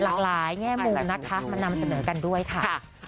หลากหลายแง่มุมนะคะมานำเสนอกันด้วยค่ะ